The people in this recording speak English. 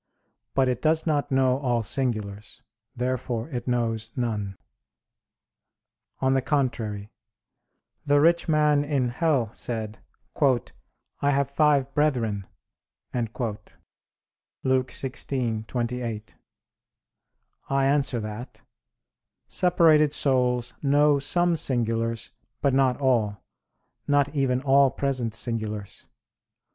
But it does not know all singulars. Therefore it knows none. On the contrary, The rich man in hell said: "I have five brethren" (Luke 16:28). I answer that, Separated souls know some singulars, but not all, not even all present singulars.